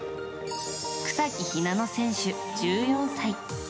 草木ひなの選手、１４歳。